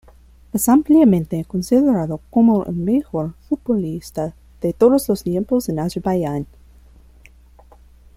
Es ampliamente considerado como el mejor futbolista de todos los tiempos de Azerbaiyán.